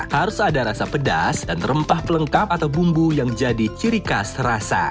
harus ada rasa pedas dan rempah pelengkap atau bumbu yang jadi ciri khas rasa